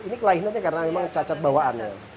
ini kelainannya karena memang cacat bawaannya